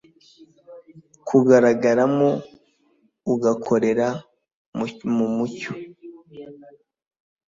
kugaragaramo ugukorera mu mucyo